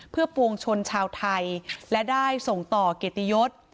เพื่อปวงชนชาวไทยและได้ส่งต่อเกียรติยศ